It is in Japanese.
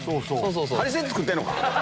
ハリセン作ってんのか？